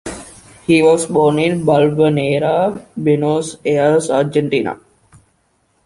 He was born in Balvanera, Buenos Aires, Argentina.